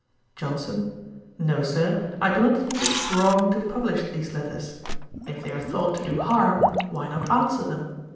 JOHNSON. 'No, Sir, I do not think it was wrong to publish these letters. If they are thought to do harm, why not answer them?